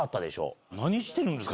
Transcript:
見てるんですか？